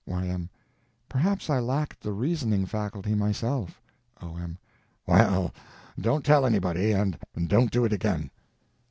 Y.M. Perhaps I lacked the reasoning faculty myself. O.M. Well, don't tell anybody, and don't do it again.